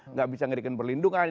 nggak bisa memberikan perlindungan